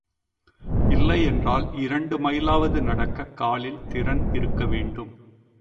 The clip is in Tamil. இல்லை என்றால் இரண்டு மைலாவது நடக்கக் காலில் திறன் இருக்க வேண்டும்.